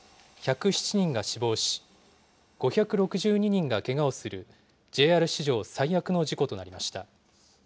１０７人が死亡し、５６２人がけがをするＪＲ史上最悪の事故となりました。